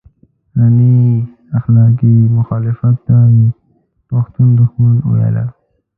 د غني اخلاقي مخالفت ته يې پښتون دښمني ويله.